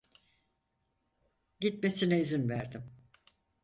Gitmesine izin verdim.